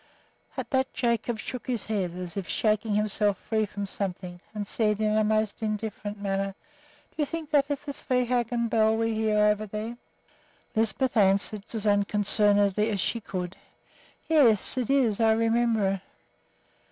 At that Jacob shook his head, as if shaking himself free from something, and said in a most indifferent manner, "Do you think that is the Svehaugen bell we hear over there?" Lisbeth answered as unconcernedly as she could, "Yes, it is; I remember it."